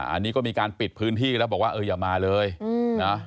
อันนี้ก็มีการปิดพื้นที่แล้วบอกว่าเอออย่ามาเลยนะ